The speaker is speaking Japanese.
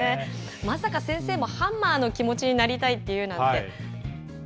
まさか先生もハンマーの気持ちになりたいなんて。